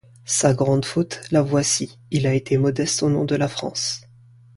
Sa grande faute, la voici: il a été modeste au nom de la France.